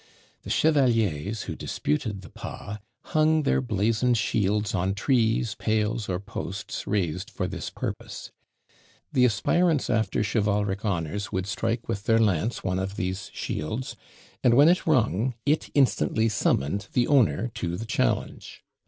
The chevaliers who disputed the pas hung their blazoned shields on trees, pales, or posts raised for this purpose. The aspirants after chivalric honours would strike with their lance one of these shields, and when it rung, it instantly summoned the owner to the challenge.